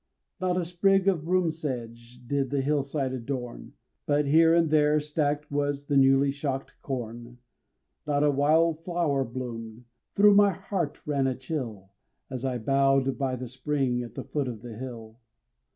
Not a sprig of broomsedge did the hillside adorn, But here and there stacked was the newly shocked corn. Not a wild flower bloomed through my heart ran a chill, As I bowed by the spring at the foot of the hill.